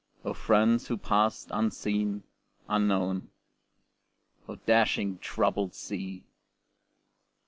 O friends who passed unseen, unknown! O dashing, troubled sea!